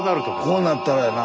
こうなったらやな。